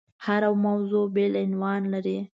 هره موضوع بېل عنوان لري.